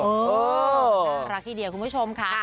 น่ารักทีเดียวคุณผู้ชมค่ะ